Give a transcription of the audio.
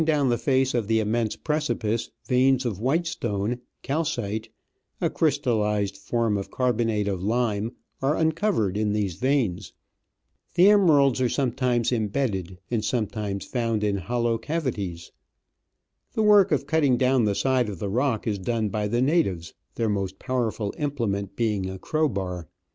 down the face of the immense precipice veins of white stone, calcite, a crystallised form of carbonate of lime, are uncovered in these veins. The emeralds are sometimes embedded and sometimes found in hollow Digitized by VjOOQIC 154 Travels and Adventures cavities. The work of cutting down the side of the rock is done by the natives, their most powerful implement being a crowbar.